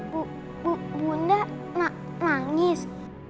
bu bu bunda mangis